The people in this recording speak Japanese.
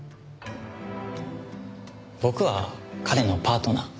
僕は彼のパートナーいえ